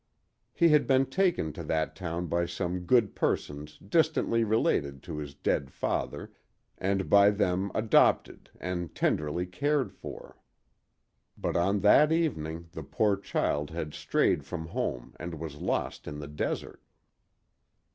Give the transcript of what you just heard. He had been taken to that town by some good persons distantly related to his dead father, and by them adopted and tenderly cared for. But on that evening the poor child had strayed from home and was lost in the desert.